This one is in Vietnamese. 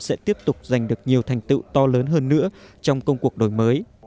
sẽ tiếp tục giành được nhiều thành tựu to lớn hơn nữa trong công cuộc đổi mới